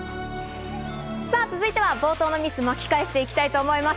続いては冒頭のミス、巻き返していきたいと思います。